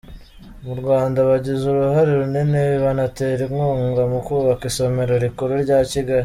Mu Rwanda bagize uruhare runini, banatera inkunga mu kubaka isomero rikuru rya Kigali.